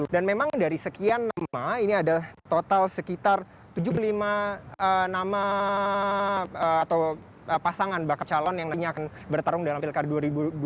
dan memang dari sekian nama ini ada total sekitar tujuh puluh lima nama atau pasangan bakal calon yang nantinya akan bertarung dalam pilkada dua ribu dua puluh